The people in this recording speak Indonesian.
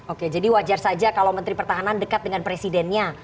oke jadi wajar saja kalau menteri pertahanan dekat dengan presidennya